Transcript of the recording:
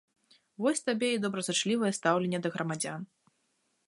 Вось табе і добразычлівае стаўленне да грамадзян.